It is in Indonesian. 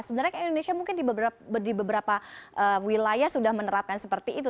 sebenarnya indonesia mungkin di beberapa wilayah sudah menerapkan seperti itu